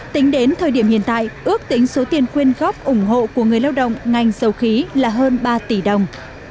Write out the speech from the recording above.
tính đến thời điểm hiện tại ước tính số tiền quyên góp ủng hộ của người lao động ngành dầu khí là hơn ba tỷ đồng